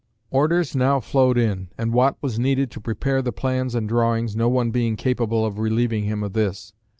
Orders now flowed in, and Watt was needed to prepare the plans and drawings, no one being capable of relieving him of this.